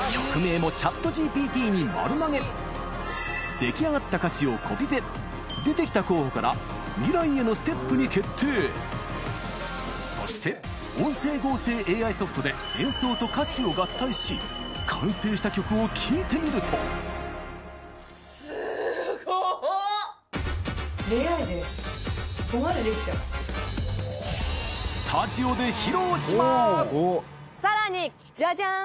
出来上がった出てきた候補から『未来へのステップ』に決定そして音声合成ＡＩソフトで演奏と歌詞を合体しさらにジャジャン！